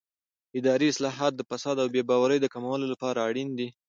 اداري اصلاحات د فساد او بې باورۍ د کمولو لپاره اړین دي